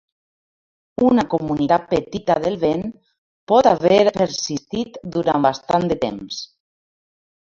Una comunitat petita d'Elven pot haver persistit durant bastant de temps.